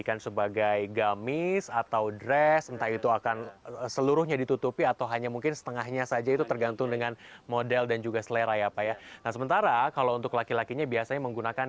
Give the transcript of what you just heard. kain yang dijual kiloan